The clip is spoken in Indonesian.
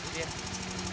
iya iya terima kasih